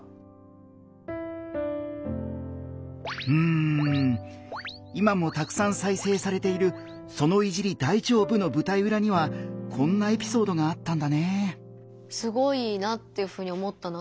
うん今もたくさん再生されている「その“いじり”、大丈夫？」の舞台うらにはこんなエピソードがあったんだね。